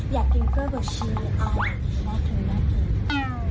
อยากกินก้วยกับชีอาหารอยากกินกับกลางกับหลีป่อ